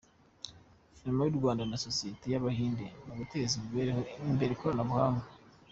Guverinoma y’u Rwanda na Sosiyete y’Abahinde mu guteza imbere ikoranabuhanga